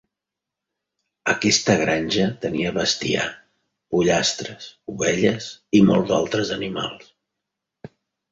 Aquesta granja tenia bestiar, pollastres, ovelles i molts altres animals.